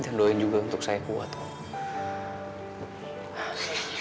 dan doain juga untuk saya kuat om